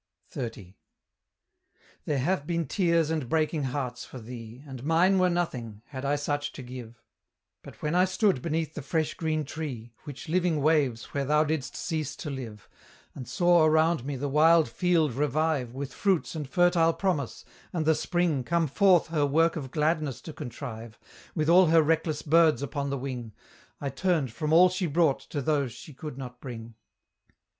XXX. There have been tears and breaking hearts for thee, And mine were nothing, had I such to give; But when I stood beneath the fresh green tree, Which living waves where thou didst cease to live, And saw around me the wild field revive With fruits and fertile promise, and the Spring Come forth her work of gladness to contrive, With all her reckless birds upon the wing, I turned from all she brought to those she could not bring.